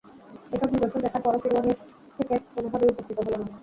এসব নিদর্শন দেখার পরও ফিরআউন এর থেকে কোনভাবেই উপকৃত হলো না।